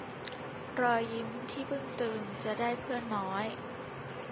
รอยยิ้มที่บึ้งตึงจะได้เพื่อนน้อย